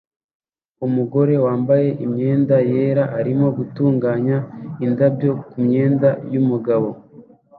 Umugore wambaye imyenda yera arimo gutunganya indabyo kumyenda yumugabo